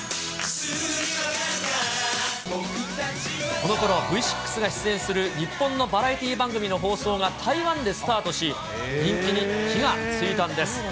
このころ、Ｖ６が出演する日本のバラエティー番組の放送が台湾でスタートし、人気に火がついたんです。